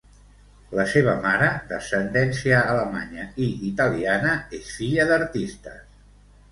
La seva mare, d'ascendència alemanya i italiana, és filla d'artistes.